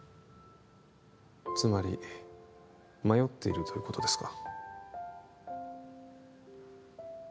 つまり迷っているということですか？